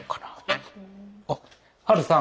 あっハルさん！